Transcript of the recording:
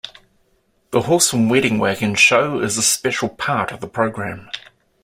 The horse and wedding wagon show is a special part of the program.